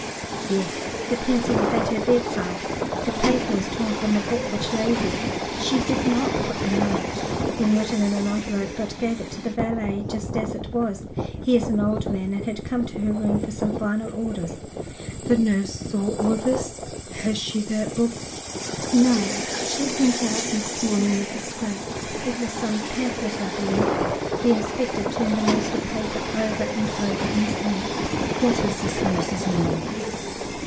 "Yes, the pencil was at her bedside; the paper was torn from a book which lay there. She did not put the note when written in an envelope, but gave it to the valet just as it was. He is an old man and had come to her room for some final orders." "The nurse saw all this? Has she that book?" "No, it went out next morning, with the scraps. It was some pamphlet, I believe." The inspector turned the morsel of paper over and over in his hand. "What is this nurse's name?"